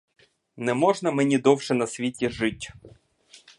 Не можна мені довше на світі жить.